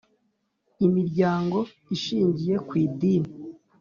Imiryango ishingiye ku Idini